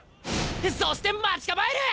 そして待ち構える！